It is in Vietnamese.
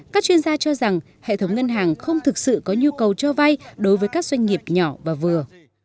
các chuyên gia cho rằng hệ thống ngân hàng không thực sự có nhu cầu cho vay đối với các doanh nghiệp nhỏ và vừa